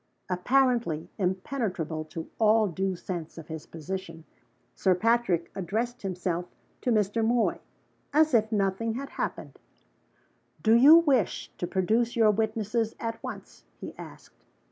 Apparently impenetrable to all due sense of his position, Sir Patrick addressed himself to Mr. Moy, as if nothing had happened. "Do you wish to produce your witnesses at once?" he asked.